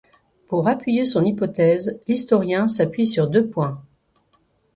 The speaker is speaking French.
Pour appuyer son hypothèse, l’historien s’appuie sur deux points.